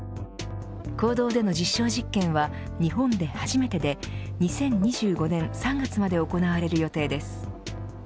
公道での実証実験は日本で初めてで２０２５年３月まで行われる予定です。